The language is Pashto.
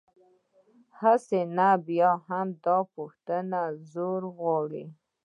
هسې، نه بیا هم، دا پوښتنه زور غواړي.